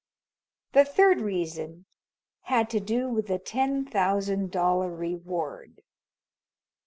The third reason had to do with the ten thousand dollar reward.